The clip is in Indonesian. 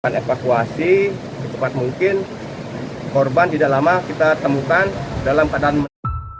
kecepatan evakuasi kecepatan mungkin korban tidak lama kita temukan dalam keadaan